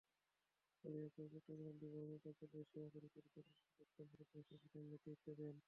অধিদপ্তরের চট্টগ্রাম বিভাগীয় কার্যালয়ের সহকারী পরিচালক বিকাশ চন্দ্র দাস অভিযানে নেতৃত্ব দেন।